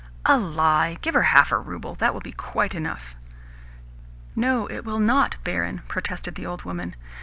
"A lie! Give her half a rouble. That will be quite enough." "No, it will NOT, barin," protested the old woman.